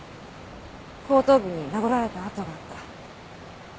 後頭部に殴られた痕があった。